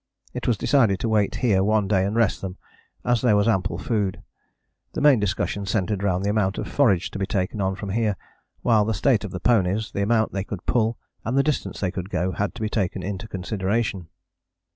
It was decided to wait here one day and rest them, as there was ample food. The main discussion centred round the amount of forage to be taken on from here, while the state of the ponies, the amount they could pull and the distance they could go had to be taken into consideration.